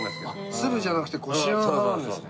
つぶじゃなくてこしあん派なんですね。